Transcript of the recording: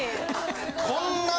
こんな。